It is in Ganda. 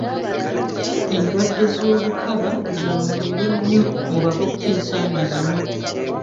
Endwadde z'obukaba za mwero nnyo mu bavubuka ensangi zino.